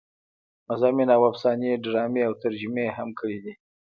مضامين او افسانې ډرامې او ترجمې يې هم کړې دي